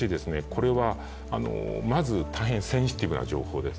これはまず大変センシティブな情報です。